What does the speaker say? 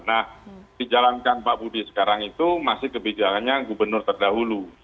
nah dijalankan pak budi sekarang itu masih kebijakannya gubernur terdahulu